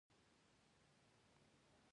بالا حصارونه اوس موږ ته څه ارزښت او اهمیت لري.